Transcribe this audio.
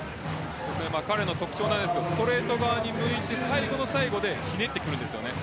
彼の特徴なんですがストレート側に向いて最後の最後でひねってくるんです。